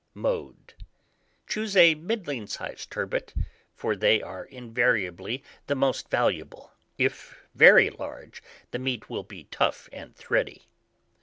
Mode Choose a middling sized turbot; for they are invariably the most valuable: if very large, the meat will be tough and thready.